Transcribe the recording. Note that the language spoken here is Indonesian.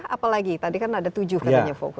apa lagi tadi kan ada tujuh katanya fokus